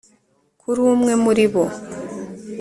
kuri umwe muri bo